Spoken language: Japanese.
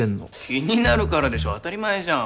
気になるからでしょ当たり前じゃん。